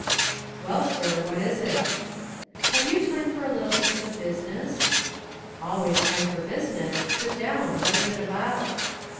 "Well, sir, what is it?" "Have you time for a little piece of business?" "Always time for business; sit down. What is it about?"